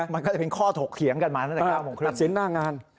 มันก็จะเป็นข้อถกเขียงกันมาตัดสินหน้างาน